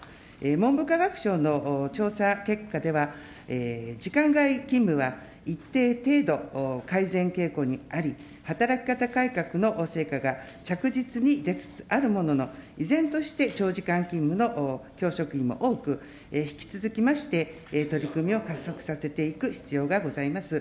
文部科学省の調査結果では、時間外勤務は一定程度改善傾向にあり、働き方改革の成果が着実に出つつあるものの、依然として長時間勤務の教職員も多く、引き続きまして、取り組みを加速させていく必要がございます。